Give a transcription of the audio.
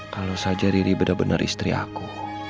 kalau saja riri benar benar istri aku